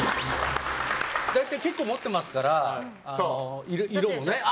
大体、結構持ってますから色もね。